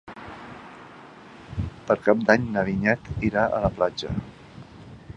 Per Cap d'Any na Vinyet irà a la platja.